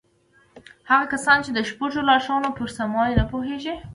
هغه کسان چې د شپږو لارښوونو پر سموالي نه پوهېږي.